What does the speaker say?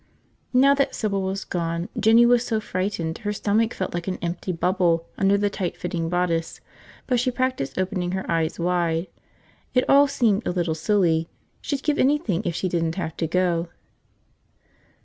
Now that Sybil was gone, Jinny was so frightened her stomach felt like an empty bubble under the tight fitting bodice; but she practiced opening her eyes wide. It all seemed a little silly. She'd give anything if she didn't have to go.